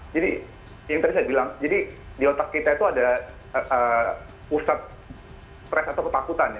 jadi yang tadi saya bilang jadi di otak kita itu ada pusat stres atau ketakutan ya